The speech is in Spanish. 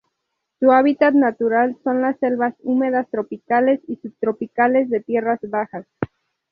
Su hábitat natural son las selvas húmedas tropicales y subtropicales de tierras bajas.